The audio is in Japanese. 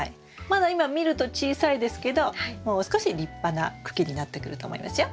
まだ今見ると小さいですけどもう少し立派な茎になってくると思いますよ。